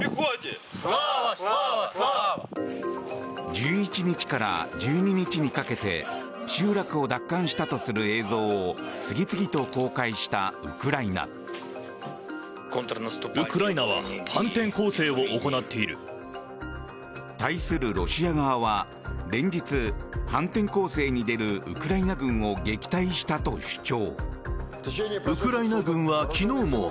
１１日から１２日にかけて集落を奪還したとする映像を次々と公開したウクライナ。対するロシア側は連日反転攻勢に出るウクライナ軍を撃退したと主張。